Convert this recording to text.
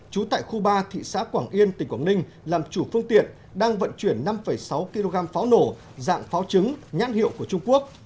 trú tại khu ba thị xã quảng yên tỉnh quảng ninh làm chủ phương tiện đang vận chuyển năm sáu kg pháo nổ dạng pháo trứng nhãn hiệu của trung quốc